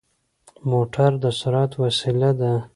موټر د سرعت وسيله ده.